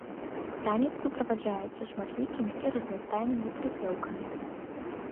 Танец суправаджаецца шматлікімі і разнастайнымі прыпеўкамі.